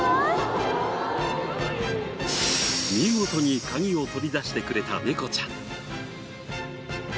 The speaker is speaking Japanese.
見事にカギを取り出してくれた猫ちゃん。